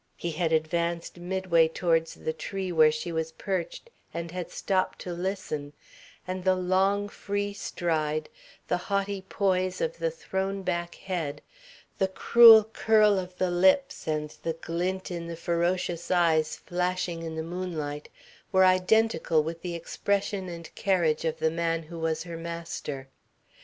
He had advanced midway towards the tree where she was perched and had stopped to listen, and the long, free stride, the haughty poise of the thrown back head, the cruel curl of the lips and the glint in the ferocious eyes flashing in the moonlight, were identical with the expression and carriage of the man who was her master.